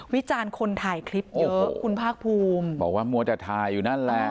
วิจารณ์คนถ่ายคลิปเยอะคุณภาคภูมิบอกว่ามัวแต่ถ่ายอยู่นั่นแหละ